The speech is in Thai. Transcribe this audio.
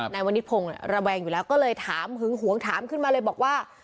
นายวนิพงศ์ระแวงอยู่แล้วก็เลยถามหึงหวงถามขึ้นมาเลยบอกว่า